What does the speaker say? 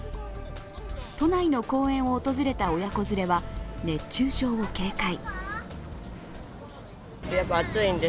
都内の公園を訪れた親子連れは熱中症を警戒。